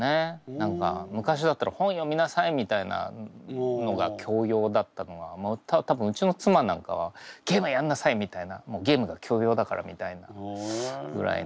何か昔だったら「本読みなさい」みたいなのが教養だったのが多分うちの妻なんかは「ゲームやんなさい」みたいなゲームが教養だからみたいな。ぐらいの。